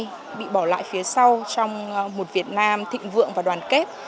đất nước bị bỏ lại phía sau trong một việt nam thịnh vượng và đoàn kết